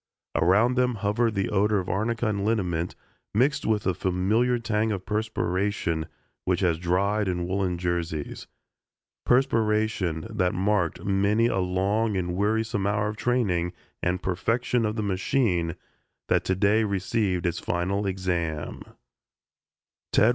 Around them hovered the odor of arnica and liniment mixed with the familiar tang of perspiration which has dried in woolen jerseys perspiration that marked many a long and wearisome hour of training and perfection of the machine that to day received its final "exam."